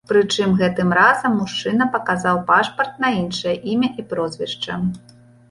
Прычым гэтым разам мужчына паказаў пашпарт на іншае імя і прозвішча.